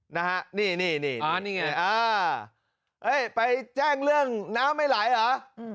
นะฮะนี่นี่นี่อ่านี่ไงอ่าเอ้ยไปแจ้งเรื่องน้ำไม่ไหลอ่ะอืม